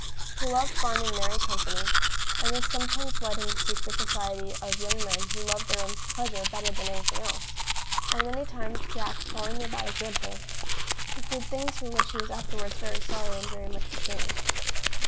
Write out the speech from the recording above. He loved fun and merry company, and this sometimes led him to seek the society of young men who loved their own pleasure better than any thing else; and many times Jack, following their bad example, did things for which he was afterwards very sorry and very much ashamed.